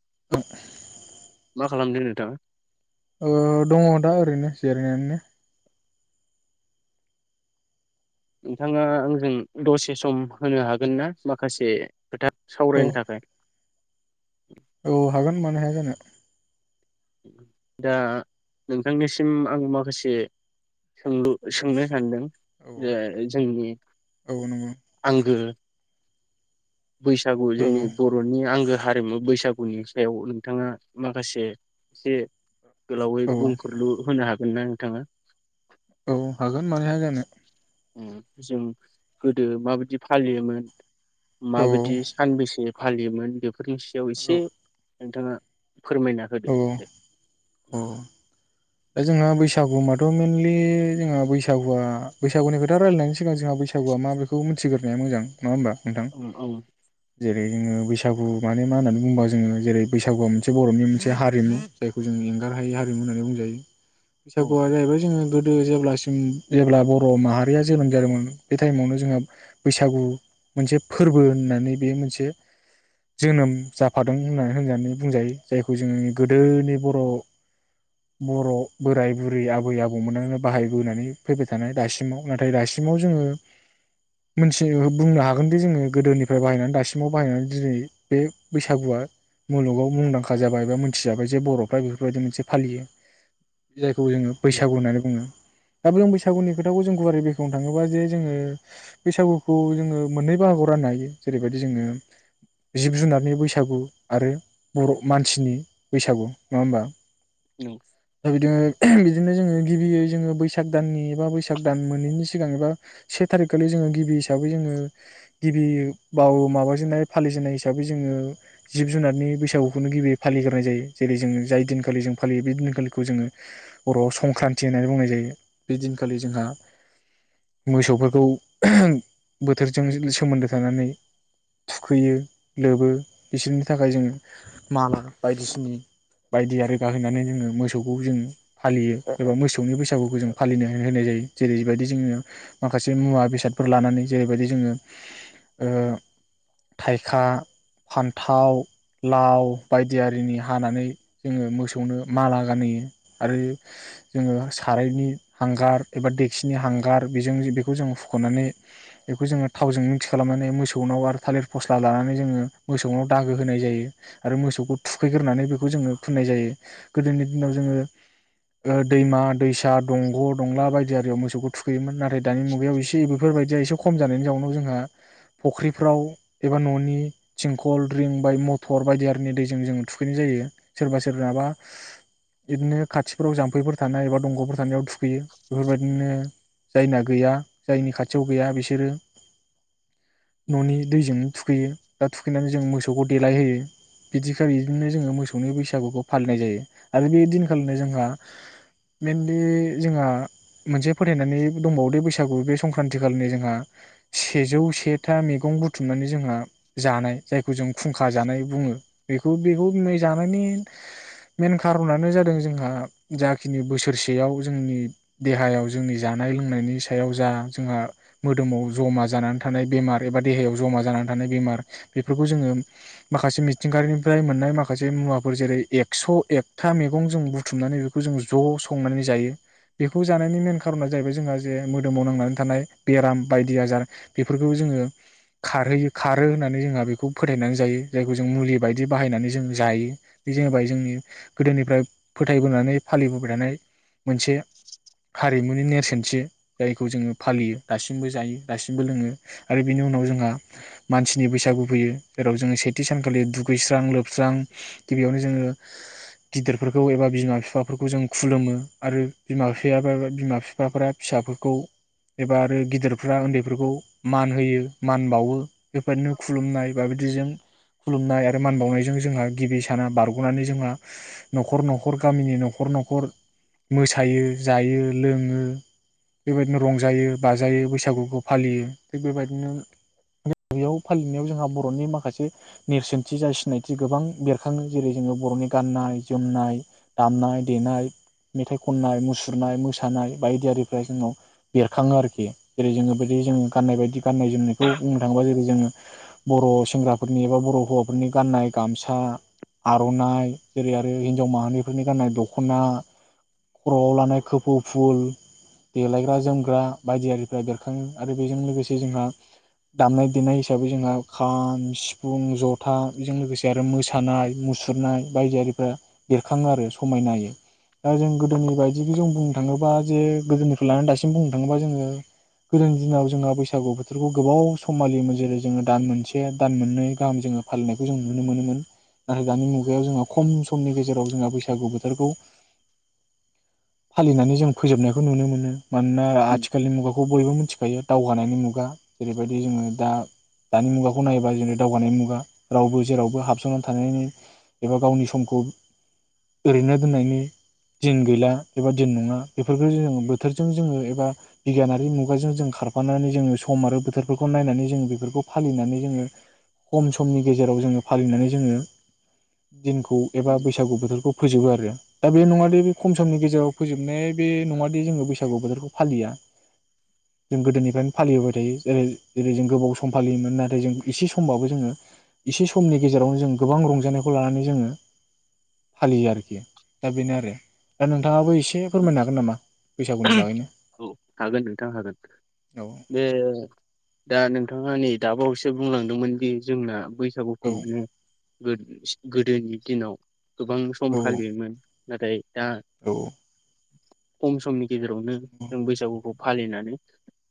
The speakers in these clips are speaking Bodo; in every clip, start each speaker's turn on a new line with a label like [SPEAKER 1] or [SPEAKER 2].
[SPEAKER 1] [unintelligible]
[SPEAKER 2] मा खालामदों नोंथां?
[SPEAKER 1] ओ दङ' दा ओरैनो जिरायनानैनो
[SPEAKER 2] नोंथाङा आंजों दसे सम होनो हागोन ना माखासे खोथा
[SPEAKER 1] औ
[SPEAKER 2] सावरायनो थाखाय
[SPEAKER 1] औ हागोन मानो हाया जानो
[SPEAKER 2] दा नोंथांनिसिम आं माखासे सोंलु सोंनो सानदों
[SPEAKER 1] औ
[SPEAKER 2] जे जोंनि
[SPEAKER 1] औ नंगौ
[SPEAKER 2] आंगो बैसागु
[SPEAKER 1] औ
[SPEAKER 2] जोंनि बर'नि आंगो हारिमु बैसागुनि सायाव नोंथाङा माखासे से। गोलावै
[SPEAKER 1] औ
[SPEAKER 2] बुंफोरलु होनो हागोन मोन‌ नों थांङा।
[SPEAKER 1] औ हागोन मानो हाया‌ जानो।
[SPEAKER 2] उम जों गोदो माबिदि फालियोमोन।
[SPEAKER 1] औ
[SPEAKER 2] माबोदि‌ सानबेसे फालियोमोन बेफोर फोरनि सायाव
[SPEAKER 1] औ
[SPEAKER 2] एसे नोंथाङा। फोरमायना होदो
[SPEAKER 1] औ
[SPEAKER 2] दे।
[SPEAKER 1] औ दा जोंहा बैसागु माथ मेइनलि जोंहा बैसागुआ बैसागुनि खोथा रायलायनायनि सिगां सिगां जोंहा बैसागुआ मा बेखौ मोनथि थिगोरनाय मोजां नङा होमबा। नोंथां
[SPEAKER 2] औ औ।
[SPEAKER 1] जेरै जोङो बैसागु माने मा होननानै बुंबा जोङो जेरै बैसागुआ मोनसे बर'नि मोनसे हारिमु जायखौ जों एंगार हायै हारिमु होननानै बुंजायो।
[SPEAKER 2] औ
[SPEAKER 1] बैसागुआ जाहैबाय जोङो गोदो गोदो जेब्लासिम जेनेब्ला बर' माहारिया जोनोम जादोंमोन बे टाइमावनो जोंहा बैसागु मोनसे फोरबो होननानै बे मोनसे जोनोम जाफादों होननानै-होननानै बुंजायो जायखौ जोङो गोदोनि बर' बर‌' बोराय बुरै आबै आबौमोननो बाहायबोनानै फैबाय थानाय दासिमाव नाथाय दासिमाव जोङो मोन्थिनो बुंनो हागोनदि जोङो गोदोनिफ्राय बाहायनानै दासिमाव बाहायनानै दिनै बे बैसागुआ मुलुगाव मुंदांखा जाबाय एबा मोनथिजाबाय जे बर'फ्रा बेफोरबायदि मोनसे फालियो। जायखौ जोङो
[SPEAKER 2] उम
[SPEAKER 1] बैसागु होननानै बुङो। दा जों बैसागुनि खोथाखौ जों गुवारै बेखेवनो थाङोबा जे जोङो बैसागुखौ जोङो मोननै बाहागोआव राननो हायो जेरैबायदि जोङो जिब जुनारनि बैसागु आरो बर' मानसिनि बैसागु नङा होमबा।
[SPEAKER 2] नों
[SPEAKER 1] दा बिदिनो बिदिनो जोङो गिबियै जोङो बैसाग दाननि एबा बैसाग दान मोनैनि सिगां एबा से थारिखखालि जोङो गिबि हिसाबै जोङो गिबि बाव-माबाजेननाय फालिजेननाय हिसाबै जोङो जिब जुनारनि बैसागुखौनो गिबि फालिगोरनाय जायो जेरै जोङो जाय दिनखालि जों फालियो बे दिन बेखालिखौ जोङो बर'आव संक्रान्ति होननानै बुंनाय जायो बे दिनखालि जोंहा मोसौफोरखौ बोथोरजों सोमोन्दो थानानै थुखैयो लोबो बिसोरनि थाखाय जों माला बायदिसिनि बायदि आरो गाहोनानै जोङो मोसौ जों फालियो एबा मोसौनि बैसागुखौ जों‌ फालिनो होनाय जायो जेरैबायदि जोङो माखासे मुवा बेसादफोर लानानै जेरैबायदि जोङो ओ थाइखा फान्थाव लाव बायदि आरिनि हानानै जोङो मोसौनो माला होनायखौ। गानहोयो आरो जोङो सारायनि हांगार एबा देक्सिनि हांगार बेजों बेखौ जों हुखनानै बेखौ जोङो थावजों मिक्स खालामनानै मोसौनाव आरो थालिर फसला लानानै जोङो मोसौनाव दागो होनाय जायो आरो मोसौखौ थुखैग्रोनानै बेखौ जोङो फुननाय जायो गोदोनि उनाव जोङो ओ दैमा दैसा आ दंग दंला बायदि आरो बेयाव मोसौखौ थुखैयोमोन नाथाय दानि मुगायाव एसे एबो बेफोरबायदिया एसे खम जानायनि जाउनाव जोंहा फख्रिफ्राव एबा ननि थिंखल रिं बाय मथर बायदि आरिनि दैजों जों थुखैनाय जायो सोरबा सोरनाबा बिदिनो खाथिफोराव जाम्फैफोर थानाय एबा दंगफोर थानायाव थुख बेयो बेफोरबादिनो जायना गैया जायनि खाथियाव गैया बिसोरो ननि दैजोंनो थुखैयो दा थुखैनानै जों मोसौखौ देलायहोयो बिदिखा बिदिनो जोङो मोसौनि बैसागुखौ फालिनाय जायो आरो बे दिनखालिनो जोंहा मेनलि जोंहा मोनसे फोथायनानै दंबावोदो बैसागु बे संक्रान्ति खालिनो जोंहा सेजौ सेथा मैगं बुथुमनानै जोंहा जानाय जायखौ जों फुंखा जानाय बुङो बेखौ [unintelligible] जानायनि [unintelligible] खारबनानो जादों जोंहा जाखिनि बोसोरसेयाव जोंनि देहायाव जोंनि जानाय लोंनायनि सायाव जा जोंहा मोदोमाव जमा जानानै थानाय बेमार एबा देहायाव जमा जानानै थानाय बेमार बेफोरखौ जोङो माखासे मिथिंगायारिनिफ्राय मोननाय माखासे मुवाफोर जेरै एक्स एक था मैगं जों बुथुमनानै बेखौ जों ज' संनानै जायो बेखौ जानायनि मेन खारना जाहैबाय जोंहा जे मोदोमाव नांनानै थानाय बेराम बायदि आजार बेफोरखौ जोङो खारहोयो खारो होननानै जोंहा बेखौ फोथायनानै जायो जायखौ जों मुलि बायदि बाहायनानै जों जायो बे जाबाय जोंनि गोदोनिफ्राय फोथायबोनानै फालिबोबाय थानाय मोनसे हारिमुनि नेरसोनथि जायखौ जोङो फालियो दासिमबो जायो दासिमबो लोङो आरो बिनि उनाव जोंहा मानसिनि बैसागु फैयो जेराव जोङो सेथि सानखालि दुगैस्रां लोबस्रां गिबियावनो जोङो गिदिरफोरखौ एबा बिमा बिफाफोरखौ जों खुलुमो आरो बिमा बिफाया बिमा बिफा फिसाफोरखौ एबा आरो गिदिरफ्रा उन्दैफोरखौ मान होयो मान बावो बेबायदिनो खुलुमनाय बाबदिजों खुलुमनाय आरो मान बावनायजों जोंहा गिबि साना बारगनानै जोंहा नखर नखर गामिनि नखर नखर मोसायो जायो लोङो बेबायदिनो रंजायो बाजायो बैसागुखौ फालियो थिग बेबायदिनो [unintelligible] फालिनायाव जोंहा बरनि माखासे नेरसोनथि जा सिनायथि गोबां बेरखाङो जेरै जोङो बर'नि गाननाय जोमनाय दामनाय देनाय मेथाइ खननाय मुसुरनाय मोसानाय बायदि आरिफ्रा जोंनाव बेरखाङो आरोखि जेरै जोङो बिदि जों गाननाय बायदि गाननाय जोमनायखौ बुंनो थाङोबा जेरै जोङो बर' सेंग्राफोरनि एबा बर' हौवाफोरनि गाननाय गामसा आरनाइ जेरै आरो बे हिन्जाव माहारिफोरनि गाननाय दख'ना खर'आव लानाय खोफौ फुल देलायग्रा जोमग्रा बायदि आरिफ्रा बेरखाङो आरो बेजों लोगोसे जोंहा दामनाय देनाय हिसाबै जोंहा खाम, सिफुं, जथा बेजों लोगोसे आरो मोसानाय मुसुरनाय बायदियारिफ्रा बेरखाङो आरो समायनायै दा जों गोदोनि बायदि जों बुंनो थाङोबा जे गोदोनिफ्राय लानानै दासिम बुंनो थाङोबा जोङो गोदोनि दिनाव जोंहा बैसागु बोथोरखौ गोबाव सम फालियोमोन जेरै जोङो दान मोनसे दान मोननै गाहाम जोङो फालिनायखौ जों नुनो मोनोमोन नाथाय दानि मुगायाव जोंहा खम सम समनि गेजेराव जोंहा बैसागु बोथोरखौ फालिनानै जों फोजोबनायखौ नुनो मोनो मोनोना
[SPEAKER 2] उम
[SPEAKER 1] आथिखालानि मुगा खौ बयबो मिथिखायो दावगानायनि मुगा जेरैबायदि जोङो दा-दानि मुगाखौ नायोबा जेरै दावगानायनि मुगा रावबो जेरावबो हाबसननानै थानायनि एबा गावनि समखौ ओरैनो दोननायनि दिन गैला एबा दिन नङा बेफोरखौ जोङो बोथोरजों जोङो एबा बिगियानारि मुगाजों जों खारफानानै जोङो सम आरो बोथोरफोरखौ नायनानै जोङो बेफोर खौ फालिनानै जोङो खम समनि गेजेराव जोङो फालिनानै जोङो दिनखौ एबा
[SPEAKER 2] नों
[SPEAKER 1] बैसागु बोथोरखौ फोजोबो आरो। दा बे नङादि बे खम समनि गेजेराव फोजोबनाय बे नङादि जोङो बैसागु बोथोरखौ फालिया जों गोदोनिफ्रायनो फालिबाय थायो जेरै जेरै जों गोबाव सम फालियोमोन नाथाय जों इसे समबाबो जोङो इसे समनि गेजेरावनो जों गोबां रंजानायखौ लानानै जोङो फालियो आरोखि दा बेनो आरो दा नोंथाङाबो बो ए से फोरमायनो हागोन नामा बैसागुनि बागैनो?
[SPEAKER 2] औ हागोन नोंथां हागोन
[SPEAKER 1] औ
[SPEAKER 2] बे दा नोंथाङा नै दाबावसो बुंलांदोंमोन दि जोंना बैसागु
[SPEAKER 1] औ
[SPEAKER 2] [unintelligible] गोदोनि दिनाव गोबां सम
[SPEAKER 1] औ
[SPEAKER 2] फालियोमोन। नाथाय दा
[SPEAKER 1] औ
[SPEAKER 2] खम समनि
[SPEAKER 1] औ
[SPEAKER 2] गेजेरावनो बैसागुखौ फालिनानै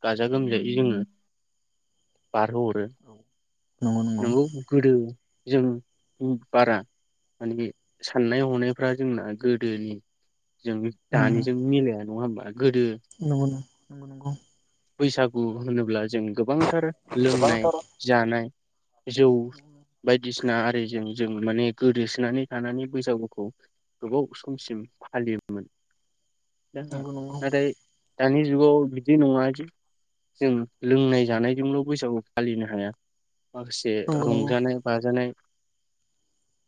[SPEAKER 2] गाजा गोमजायै जोङो बारहोहरो।
[SPEAKER 1] नंगौ नंगौ
[SPEAKER 2] नोंगौ गोदो जों उम बारा माने बे साननाय हनायफ्रा जोंना गोदोनि जों दानिजों मिलाया नङा होमबा गोदो
[SPEAKER 1] नंगौनो नंगौ नंगौ
[SPEAKER 2] बैसागु होनोब्ला जों गोबां थार लोंनाय जानाय जौ बाय दिसिना आरिजों जों माने गोदोसोनानै थानानै बैसागुखौ गोबाव समसिम फालियोमोन। जोंहा नाथाय दानि जुगाव बिदि नङा दि जों लोंनाय जानायजोंल बैसागु फालिनो हाया माखासे
[SPEAKER 1] नंगौ नंगौ
[SPEAKER 2] रंजानाय बाजानाय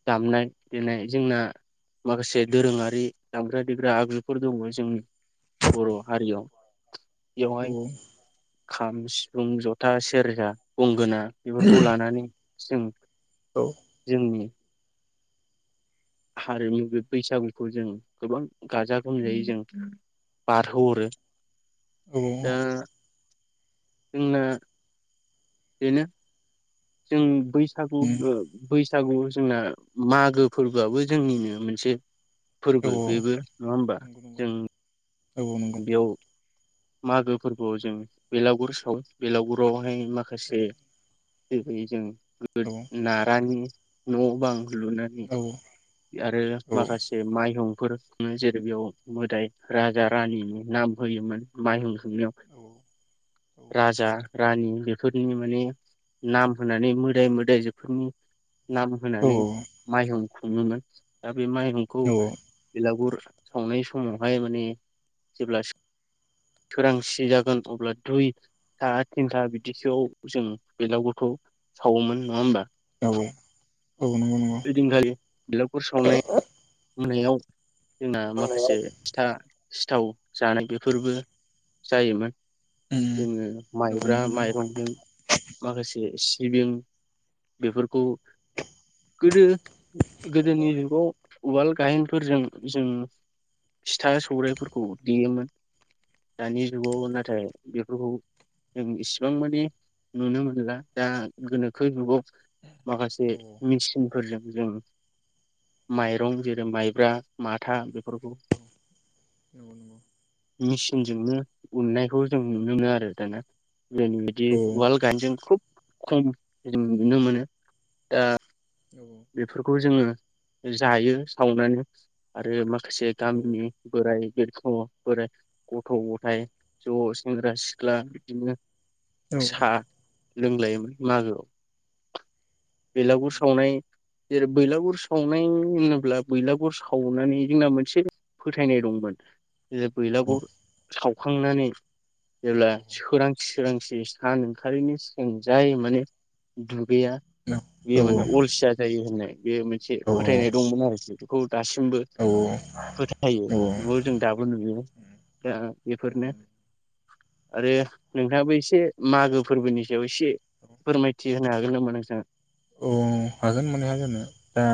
[SPEAKER 2] दामनाय देनाय जोंना माखासे दोरोङारि दामग्रा देग्रा आगजुफोर दङ जोंनि बर' हारियाव
[SPEAKER 1] औ
[SPEAKER 2] बेवहाय खाम, सिफुं, जथा, सेरगा, गंगोना बेफोरखौ लानानै जों
[SPEAKER 1] औ
[SPEAKER 2] जोंनि हारिमु बे बैसागुखौ जों गोबां गाजा गोमजायै जों बारहो हरो।
[SPEAKER 1] औ औ
[SPEAKER 2] जोंना बेनो जों बैसागु ओ बै बैसागु जोंना मागो फोरबोआबो जोंनिनो मोनसे
[SPEAKER 1] औ
[SPEAKER 2] फोरबो बेबो नङा होनबा
[SPEAKER 1] नंगौ नंगौ
[SPEAKER 2] जों
[SPEAKER 1] औ औ नंगौ।
[SPEAKER 2] बेयाव मागो फोरबोआव जों बेलागुर सावो बेलागुराव हाय
[SPEAKER 1] औ
[SPEAKER 2] माखासे बेबायदि जों गोदो
[SPEAKER 1] औ
[SPEAKER 2] नारानि न बां लुनानै आरो माखासे माइहुं फोर खुङो जेरै बेयाव मोदाय राजा रानिनि नाम होयोमोन माइहुं खुंनायाव राजा रानि बेफोरनि माने नाम होनानै मोदाय मोदायजोफोरनि नाम होनानै माइहुं खुंङोमोन बे माइहुंखौ बेलागुर सावनाय समाव हाय माने जेब्लासि थोरांसि जागोन अब्ला दुइथा थिनथा बिदिसोआव जों बेलागुखौ सावोमोन, नङा होमबा?
[SPEAKER 1] औ
[SPEAKER 2] हैदिखालि बिलागुर सावनाय मोनायाव जोंना माखासे फिथा सिथाव जानाय बेफोरबो जायोमोन। जोङो माइब्रा माइरंजों माखासे सिबिं बेफोरखौ गोदो, गोदोनि जुगाव उवाल गाहेनफोरजों जों सिथा सौरायाइफोरखौ देयोमोन दानि जुगाव नाथाय बेफोरखौ जों इसिबां मानि नुनो मोनला दा गोनोखो जुगाव माखासे थिमफोरजों जों माइरं जेरै माइब्रा माथा बेफोरखौ
[SPEAKER 1] नंगौ नंगौ
[SPEAKER 2] मेसिनजोंनो उननायखौ जों नुनो मोनो आरो दाना। गोदोनिबादि उवाल गाहेनजों खुब खम जों नुनो मोनो दा बेफोरखौ जोङो जायो सावनानै आरो माखा से गामिनि बोराय बेरख बोराय गथ गथाय ज सेंग्रा सिख्ला बिदिनो सा लोंलायोमोन मागोयाव। बेलागुर सावनाय जेरै बैलागुर सावनाय होनोब्ला बैलागुर सावनानै जोंना मोनसे फोथायनाय दंमोन। ए बैलागुर साव खांनानै जेब्ला सोरांसि सोरांसि सान ओंखारनि सिगां जाय माने दु गैया बेयो माने अलसिया [unintelligible] बे मोनसे फोथायनाय दंमोन आरोखि। [unintelligible] दासिमबो फोथायो नुयो जों दाबो नुयो। दा बेफोरनो आरो नोंथाङाबो एसे मागो फोरबोनि सायाव एसे फोरमायथि होनो हागोन नामा नोंथाङा?
[SPEAKER 1] ओ हागोन मानो हाया जानो दा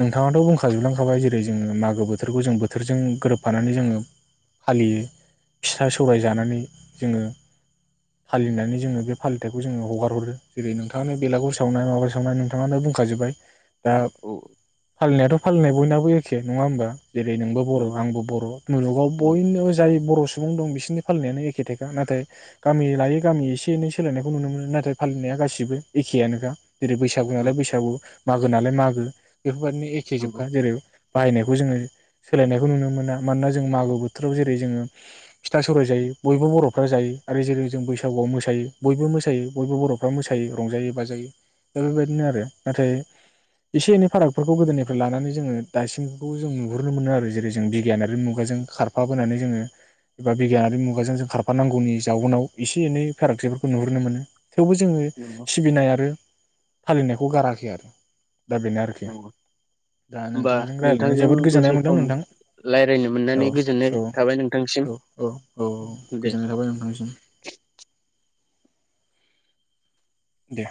[SPEAKER 1] नोंथाङाथ बुं [unintelligible] खाजोबलांखाबाय जेरै जोङो मागो बोथोरखौ जों बोथोरजों गोरोबफानानै जोङो फालियो फिसा सौराय जानानै जोङो फालिनानै जोङो बे फालिथायखौ जोङो हगारहरो जेरै नों थांनो बेला मा सावनाय नोंथांनो बुंखाजोबबाय। दा
[SPEAKER 2] औ
[SPEAKER 1] फालिनायाथ। फालिनाय बयनाबो एखे नङा होनोमबा। जेरै नोंबो बर
[SPEAKER 2] नंगौ
[SPEAKER 1] आंबो बर मुलुगाव बयनोबो जाय बर सु सुबुं दं बिसोरनि फालिनायानो एखे थायखा नाथाय गामि लायै गामि एसे एनै सोलायनायखौ नुनो मोनो नाथाय फालिनाया गासिबो एखेयानोखा। जेरै बैसागु नालाय
[SPEAKER 2] नंगौ
[SPEAKER 1] बैसागु। मागो नालाय मागो। बेफोरबायादिनो एखे
[SPEAKER 2] नंगौ
[SPEAKER 1] जोबखा जेरै। बाहायनायखौ जोङो सोलायनायखौ नुनो मोना मानोना जों मागो बोथोराव जेरै जोङो फिथा सौराइ जायो बयबो बरफ्रा जायो आरो जेरै जों बैसागुआव मोसायो बयबो मोसायो बयबो बरफ्रा मोसायो रंजायो बाजायो। दा बेबायदिनो आरो नाथाय एसे एनै फारागफोरखौ गोदोनिफ्राय लानानै जोङो दासिमखौ जों नुहुरनो मोनो आरो जेरै जों बि गियानारि मुगाजों खारफाबोनानै। जोङो एबा बिगियानारि मुगाजों जों खारफानांगौनि जाउनाव एसे एनै फारागथिफोरखौ नुहुरनो मोनो। थेवबो जोङो
[SPEAKER 2] नंगौ
[SPEAKER 1] सिबिनाय आरो। फालिनायखौ गाराखै आरो। दा बेनो आरोखि दा
[SPEAKER 2] होमबा
[SPEAKER 1] नोंथांजों रायज्लायनानै
[SPEAKER 2] नोंथांजों
[SPEAKER 1] जोबोद गोजोननाय
[SPEAKER 2] दसे
[SPEAKER 1] मोनदों
[SPEAKER 2] सम
[SPEAKER 1] नोंथां
[SPEAKER 2] रायज्लायनो
[SPEAKER 1] औ
[SPEAKER 2] मोननानै गोजोननाय
[SPEAKER 1] औ
[SPEAKER 2] थाबाय नोंथांसिम
[SPEAKER 1] औ औ औ
[SPEAKER 2] दे
[SPEAKER 1] गोजोननाय थाबाय नोंथांसिम। दे।